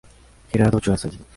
Gerardo Ochoa Salcido.